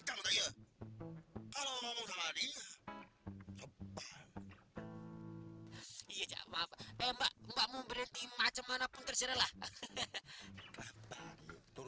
coba kalau kamu sakit siapa yang bakal mendawat adik adik kamu